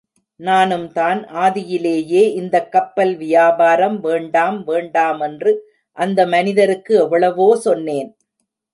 நானும்தான் ஆதியிலேயே இந்தக் கப்பல் வியாபாரம் வேண்டாம் வேண்டாமென்று அந்த மனிதருக்கு எவ்வளவோ சொன்னேன்.